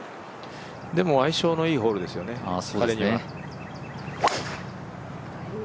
でも相性のいいホールですよね、彼には。